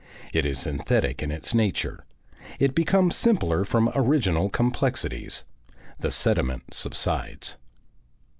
It is synthetic in its nature; it becomes simpler from original complexities; the sediment subsides.